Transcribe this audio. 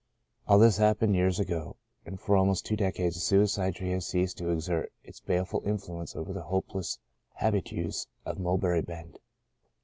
All this happened years ago, and for al most two decades the Suicide Tree has ceased to exert its baleful influence over the hopeless habitues of Mulberry Bend.